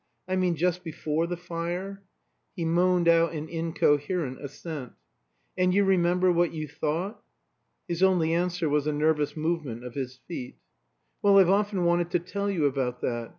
I mean just before the fire?" He moaned out an incoherent assent. "And you remember what you thought?" His only answer was a nervous movement of his feet. "Well, I've often wanted to tell you about that.